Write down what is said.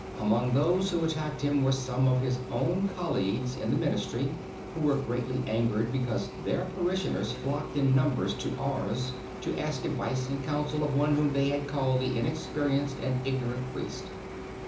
Among those who attacked him were some of his own colleagues in the ministry, who were greatly angered because their parishioners flocked in numbers to Ars to ask advice and counsel of one whom they had called the inexperienced and ignorant priest.